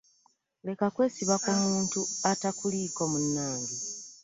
Leka kwesiba ku muntu atakuliiko munnange.